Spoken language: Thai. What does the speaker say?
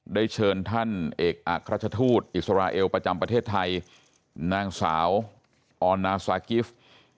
ได้เชิญท่านเอกอักราชทูตอิสราเอลประจำประเทศไทยนางสาวออนนาซากิฟต์